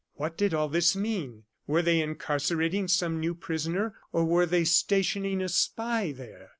What did all this mean? Were they incarcerating some new prisoner, or were they stationing a spy there?